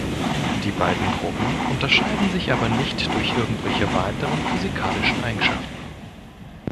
Die beiden Gruppen unterscheiden sich aber nicht durch irgendwelche weiteren physikalischen Eigenschaften.